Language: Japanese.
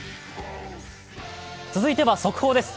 続いては速報です。